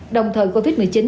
đồng thời covid một mươi chín